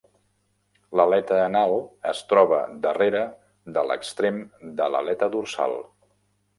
L'aleta anal es troba darrere de l'extrem de l'aleta dorsal.